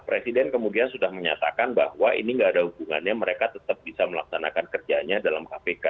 presiden kemudian sudah menyatakan bahwa ini tidak ada hubungannya mereka tetap bisa melaksanakan kerjanya dalam kpk